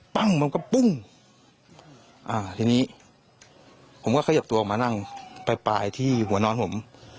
ตั้งอ้าวที่นี้ผมก็คยับตัวออกมานั่งไปไปที่หัวนอนผม